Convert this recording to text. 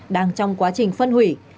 đang trong quá trình phân hủy